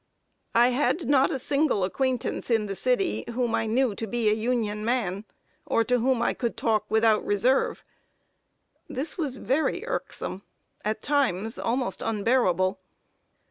I had not a single acquaintance in the city, whom I knew to be a Union man, or to whom I could talk without reserve. This was very irksome at times almost unbearable.